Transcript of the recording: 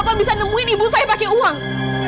bapak bisa nemuin ibu saya pakai uang